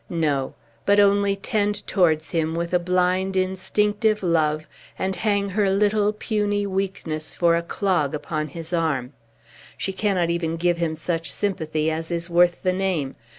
No! but only tend towards him with a blind, instinctive love, and hang her little, puny weakness for a clog upon his arm! She cannot even give him such sympathy as is worth the name.